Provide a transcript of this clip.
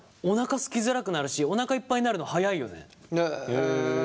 おなかすきづらくなるしおなかいっぱいになるの早いよね。